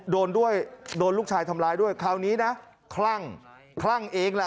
โดนด้วยโดนลูกชายทำร้ายด้วยคราวนี้นะคลั่งคลั่งเองแหละ